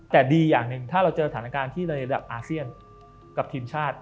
แต่ดีอย่างหนึ่งถ้าเราเจอสถานการณ์ที่ในระดับอาเซียนกับทีมชาติ